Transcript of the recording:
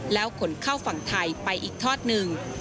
แล้วขนเข้าฝั่งไทยไปอีกทอดหนึ่ง